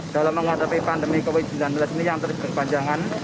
dalam menghadapi pandemi covid sembilan belas ini yang terus berkepanjangan